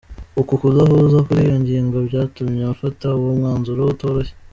Uku kudahuza kuri iyo ngingo byatumye afata uwo mwanzuro utoroshye.